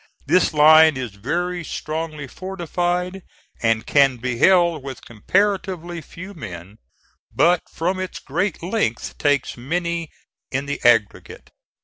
This line is very strongly fortified, and can be held with comparatively few men, but from its great length takes many in the aggregate.